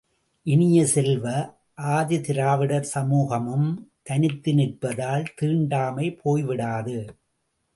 இனிய செல்வ, ஆதி திராவிடர் சமூகமும் தனித்து நிற்பதால் தீண்டாமை போய் விடாது.